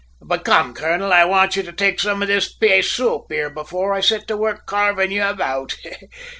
But come, colonel, I want ye to take some of this pay soup here afore I set to work carving ye about.